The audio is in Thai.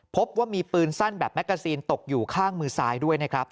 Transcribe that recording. พบว่ามีปืนสั้นแบบแมกกาซีนตกอยู่ข้างมือซ้ายด้วยนะครับ